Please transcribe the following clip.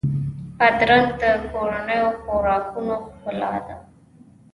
بادرنګ د کورنیو خوراکونو ښکلا ده.